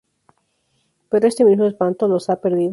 Pero este mismo espanto los ha perdido.